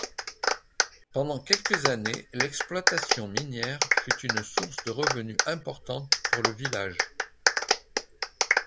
Pendants quelques années, l'exploitation minière fut une source de revenus importante pour le village.